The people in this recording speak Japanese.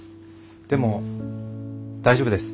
でも大丈夫です。